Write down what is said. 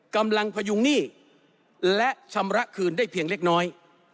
พยุงหนี้และชำระคืนได้เพียงเล็กน้อย